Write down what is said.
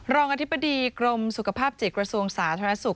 รองอธิบดีกรมสุขภาพจิตกระทรวงสาธารณสุข